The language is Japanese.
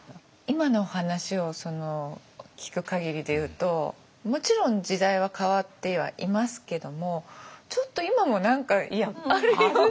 今の話を聞く限りで言うともちろん時代は変わってはいますけどもちょっと今も何かあるように。